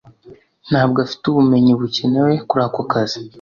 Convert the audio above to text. Ntabwo afite ubumenyi bukenewe kuri ako kazi